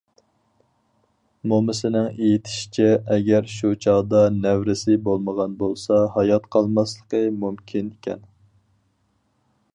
مومىسىنىڭ ئېيتىشىچە، ئەگەر شۇ چاغدا نەۋرىسى بولمىغان بولسا ھايات قالماسلىقى مۇمكىنكەن.